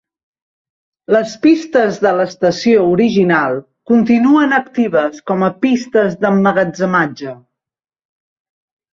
Les pistes de l'estació original continuen actives com a pistes d'emmagatzematge.